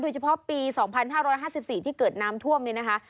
เฉพาะปี๒๕๕๔ที่เกิดน้ำท่วมเนี่ยนะคะ